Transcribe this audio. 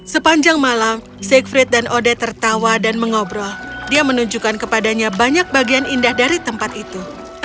sepanjang malam sigh frit dan ode tertawa dan mengobrol dia menunjukkan kepadanya banyak bagian indah dari tempat itu